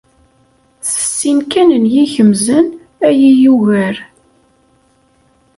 S sin kan n yikemzen ay iyi-yugar.